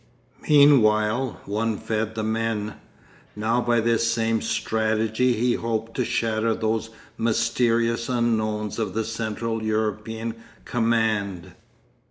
Meanwhile one fed the men. Now by this same strategy he hoped to shatter those mysterious unknowns of the Central European command.